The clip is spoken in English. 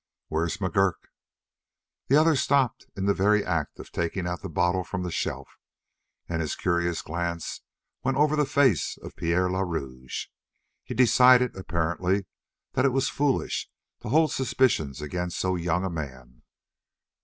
"Where's McGurk?" The other stopped in the very act of taking out the bottle from the shelf, and his curious glance went over the face of Pierre le Rouge. He decided, apparently, that it was foolish to hold suspicions against so young a man.